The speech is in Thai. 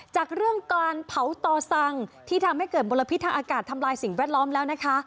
จากเรื่องการเผาต่อสั่งที่ทำให้เกิดมลพิษทางอากาศทำลายสิ่งแวดล้อมแล้วนะคะ